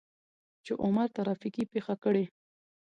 چې عمر ترافيکي پېښه کړى.